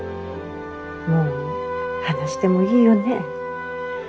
もう話してもいいよね。